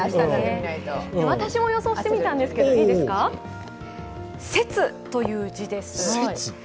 私も予想してみたんですけど、「節」という字です。